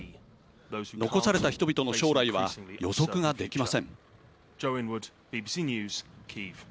残された人々の将来は予測ができません。